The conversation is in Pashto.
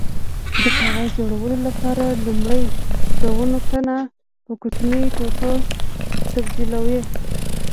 د کاغذ جوړولو لپاره لومړی د ونو تنه په کوچنیو ټوټو تبدیلوي.